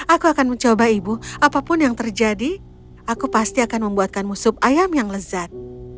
aku akan mencoba ibu apapun yang terjadi aku pasti akan membuatkanmu sup ayam yang lezat